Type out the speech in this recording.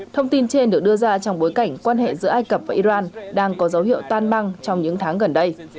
thông tin trên được đưa ra trong bối cảnh quan hệ giữa ai cập và iran đang có dấu hiệu tan băng trong những tháng gần đây